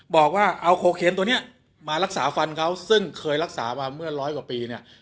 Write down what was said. บอกว่าเอาโคเคนตัวนี้มารักษาฟันเขาซึ่งเคยรักษามาเมื่อร้อยกว่าปีเนี่ย